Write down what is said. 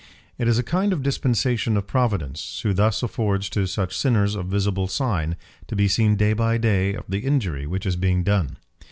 It is a kind dispensation of Providence who thus affords to such sinners a visible sign, to be seen day by day, of the injury which is being done.